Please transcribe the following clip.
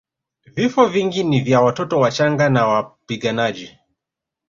Vifo vingi ni vya watoto wachanga na wapiganaji